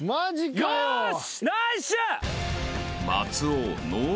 よし！